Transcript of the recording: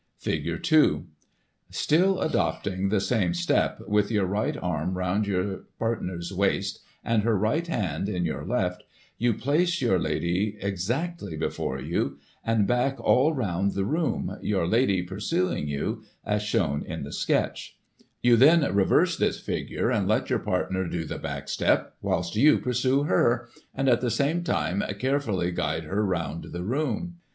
Figure 2. — Still adopting the same step, with your right arm round your partner's waist, and her right hand in your left, you place your lady exactly before you, and back all The Drawing room Polka. — Figure 2. [///. Lon, News, 1 1 May, 1844, p. 301. round the room, your lady pursuing you (as shown in the sketch) ; you then reverse this figure, and let your partner do the back step, whilst you pursue her, and, at the same time, carefully guide her round the room.